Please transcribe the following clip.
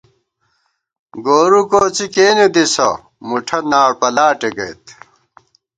گورو کوڅی کېنے دِسہ ،مُٹھہ ناڑپلاٹے گئیت